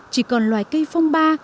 chỉ còn loài cây phong ba